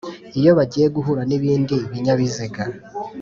iyo bagiye guhura n’ibindi binyabiziga